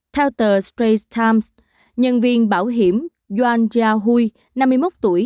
theo tờ straits times nhân viên bảo hiểm yuan jiahui năm mươi một tuổi